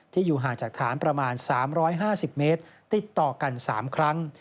อยู่ห่างจากฐานประมาณ๓๕๐เมตรติดต่อกัน๓ครั้ง